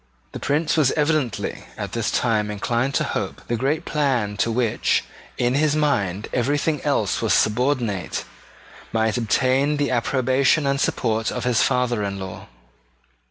The Prince was evidently at this time inclined to hope that the great plan to which in his mind everything else was subordinate might obtain the approbation and support of his father in law.